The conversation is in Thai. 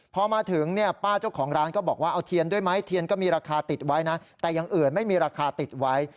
พอมาถึงเนี่ยป้าเจ้าของร้านก็บอกว่าเอาเทียนด้วยไหมเทียนก็มีราคาติดไว้นะแต่อย่างอื่นไม่มีราคาติดไว้